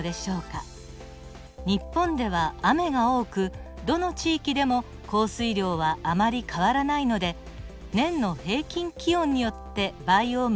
日本では雨が多くどの地域でも降水量はあまり変わらないので年の平均気温によってバイオームが変わっていきます。